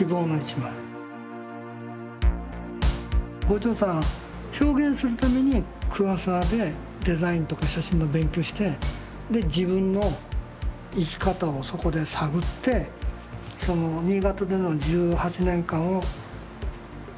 牛腸さん表現するために桑沢でデザインとか写真の勉強をして自分の生き方をそこで探ってその新潟での１８年間を出した。